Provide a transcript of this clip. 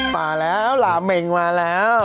มาแล้วลาเมงมาแล้ว